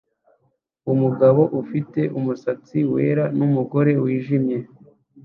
Umugabo ufite umusatsi wera numugore wijimye